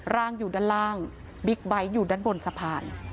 ร่างอยู่ด้านล่างบิ๊กไบท์อยู่ด้านบนสะพาน